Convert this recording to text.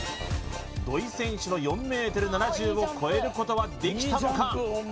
土井選手の４ｍ７０を超えることはできたのか？